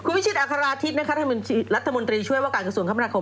พิชิตอัคราทิศนะคะรัฐมนตรีช่วยว่าการกระทรวงคมนาคม